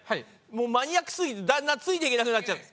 もうマニアックすぎてだんだんついていけなくなっちゃった。